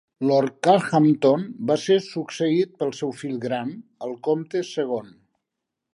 Lord Carhampton va ser succeït pel seu fill gran, el Comte segon.